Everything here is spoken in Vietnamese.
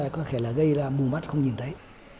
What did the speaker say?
có thể là gây ra mù mắt không nhìn thấy